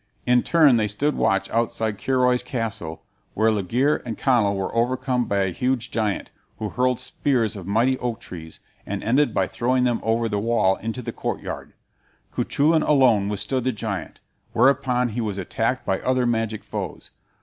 In turn they stood watch outside Curoi's castle, where Laegire and Conall were overcome by a huge giant, who hurled spears of mighty oak trees, and ended by throwing them over the wall into the courtyard. Cuchulain alone withstood the giant, whereupon he was attacked by other magic foes.